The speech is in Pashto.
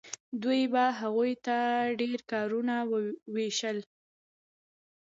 دوی به هغو ته ډیر کارونه ویشل.